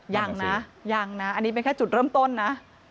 ยังนะยังนะอันนี้เป็นแค่จุดเริ่มต้นนะ